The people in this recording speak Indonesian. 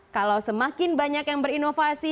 kalau semakin banyak yang berinovasi